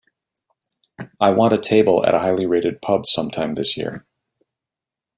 I want a table at a highly rated pub sometime this year